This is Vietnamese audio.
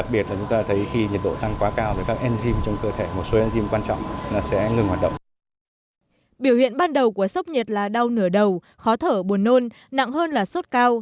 biểu hiện ban đầu của sốc nhiệt là đau nửa đầu khó thở buồn nôn nặng hơn là sốt cao